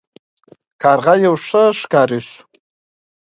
کارغه یو ښه ښکاري شو.